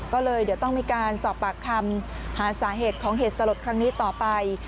ก็เลยเดี๋ยวต้องมีการสอบปากคำหาสาเหตุของเหตุสลดครั้งนี้ต่อไป